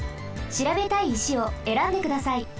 しらべたい石をえらんでください。